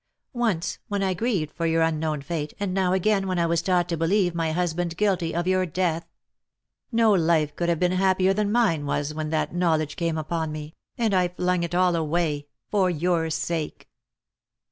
Once when I grieved for your unknown fate, and now again when I was taught to believe my husband guilty of your death. No life could have been happier than mine was when that knowledge came upon me, and I thing it all away — for your sake."